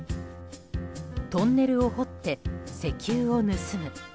トンネルを掘って石油を盗む。